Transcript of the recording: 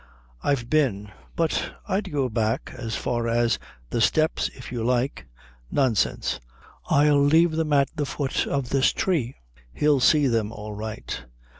"I've been. But I'd go back as far as the steps if you like." "Nonsense. I'll leave them at the foot of this tree. He'll see them all right."